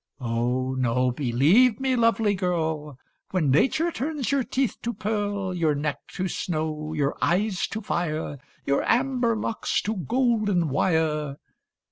Oh, no — believe me, lovely girl. When nature turns your teeth to peari, JUVENILE POEMS. 851 Your neck to snow, your eyes to fire, Your amber locks to golden wire.